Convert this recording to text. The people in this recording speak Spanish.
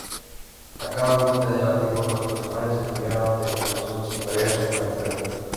A cada golpe de látigo, los personajes cambiaban de formación, sin variar su cantidad.